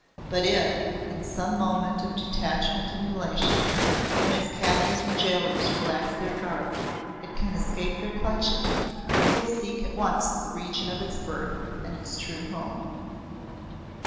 But if, in some moment of detachment and elation, when its captors and jailors relax their guard, it can escape their clutches, it will seek at once the region of its birth and its true home."